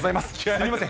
すみません。